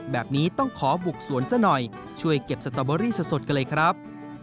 แบบนี้ต้องขอบุกสวนซะหน่อยช่วยเก็บสตอเบอรี่สดกันเลยครับ